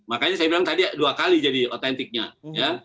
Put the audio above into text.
makanya saya bilang tadi dua kali jadi otentiknya ya